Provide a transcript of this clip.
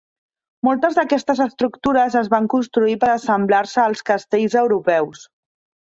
Moltes d'aquestes estructures es van construir per a semblar-se als castells europeus.